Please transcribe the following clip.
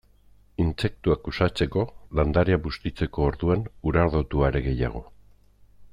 Intsektuak uxatzeko landarea bustitzeko orduan, urardotu are gehiago.